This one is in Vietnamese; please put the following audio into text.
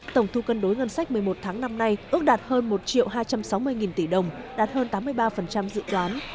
tổng thu cân đối ngân sách một mươi một tháng năm nay ước đạt hơn một hai trăm sáu mươi tỷ đồng đạt hơn tám mươi ba dự toán